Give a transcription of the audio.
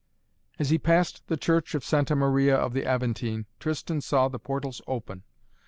As he passed the church of Santa Maria of the Aventine, Tristan saw the portals open.